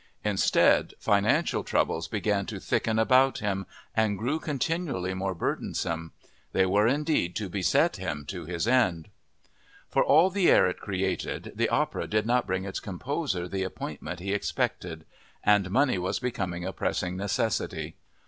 Instead, financial troubles began to thicken about him and grew continually more burdensome. They were, indeed, to beset him to his end. For all the stir it created, the opera did not bring its composer the appointment he expected. And money was becoming a pressing necessity.